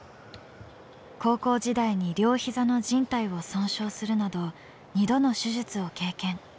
高校時代に両膝のじん帯を損傷するなど２度の手術を経験。